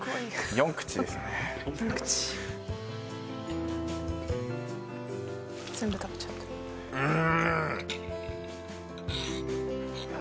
４口全部食べちゃったうん